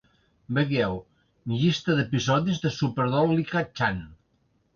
Vegeu "Llista d'episodis de Super Doll Licca-chan".